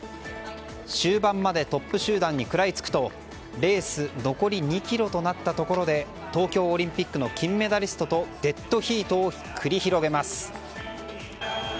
終盤までトップ集団に食らいつくとレース残り２ｋｍとなったところで東京オリンピックの金メダリストとデッドヒートを繰り広げます。